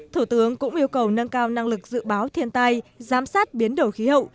thủ tướng cũng yêu cầu nâng cao năng lực dự báo thiên tai giám sát biến đổi khí hậu